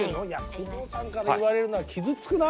工藤さんから言われるのは傷つくな。